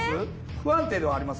不安定ではあります